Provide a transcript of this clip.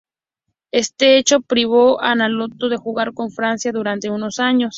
Este hecho privó a Anatol de jugar con Francia durante unos años.